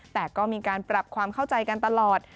แต่ก็มีการปรับความเข้าใจกันตลอด